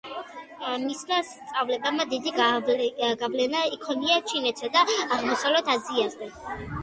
მისმა სწავლებამ დიდი გავლენა იქონია ჩინეთსა და აღმოსავლეთ აზიაზე.